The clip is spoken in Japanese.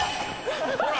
ほら！